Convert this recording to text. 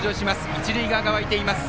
１塁側が沸いています。